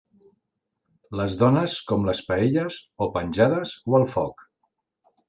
Les dones, com les paelles: o penjades o al foc.